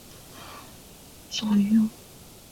两站相距二百米左右。